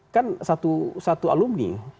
kan satu alumni